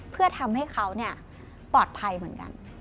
เพื่อทำให้เขาปลอดภัยเหมือนกัน